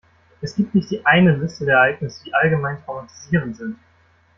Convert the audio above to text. Es gibt nicht die eine Liste der Ereignisse, die allgemein traumatisierend sind.